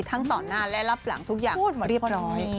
ต่อหน้าและรับหลังทุกอย่างมาเรียบร้อย